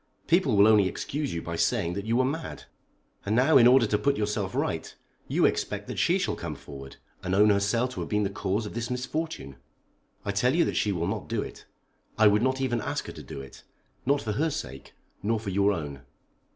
People will only excuse you by saying that you were mad. And now in order to put yourself right, you expect that she shall come forward, and own herself to have been the cause of this misfortune. I tell you that she will not do it. I would not even ask her to do it; not for her sake, nor for your own."